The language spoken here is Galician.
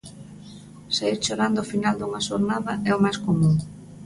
Saír chorando ao final da xornada é o máis común.